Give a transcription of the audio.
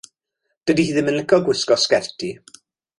Dydi hi ddim yn licio gwisgo sgerti.